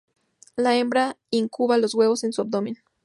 La hembra incuba los huevos en su abdomen.